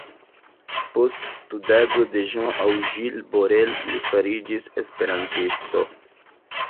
Post studado de Jean aŭ Jules Borel, li fariĝis esperantisto.